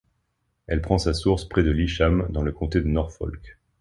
Elle prend sa source près de Litcham dans le comté de Norfolk.